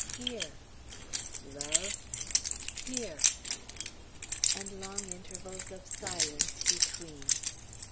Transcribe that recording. "Here." "Love?" "Here," and long intervals of silence between.